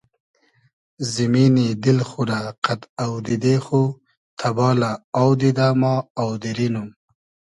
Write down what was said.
زیمینی دیل خو رۂ قئد اۆدیدې خو تئبالۂ آو دیدۂ ما آودیری نوم